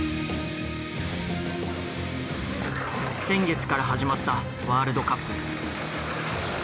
先月から始まったワールドカップ。